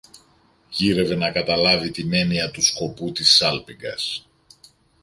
Γύρευε να καταλάβει την έννοια του σκοπού της σάλπιγγας